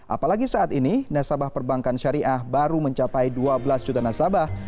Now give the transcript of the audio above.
apalagi saat ini nasabah perbankan syariah baru mencapai dua belas juta nasabah